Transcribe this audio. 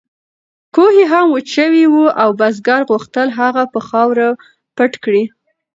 کوهی هم وچ شوی و او بزګر غوښتل هغه په خاورو پټ کړي.